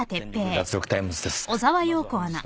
脱力タイムズ』です。